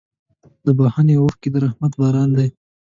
د بښنې اوښکې د رحمت باران دی.